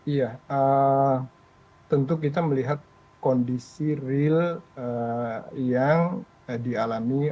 iya tentu kita melihat kondisi real yang dialami